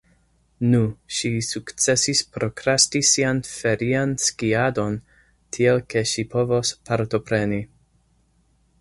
Nu, ŝi sukcesis prokrasti sian ferian skiadon, tiel ke ŝi povos partopreni.